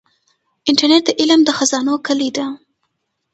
انټرنیټ د علم د خزانو کلي ده.